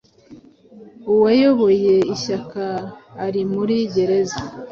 uwayoboye ishyaka ari muri gereza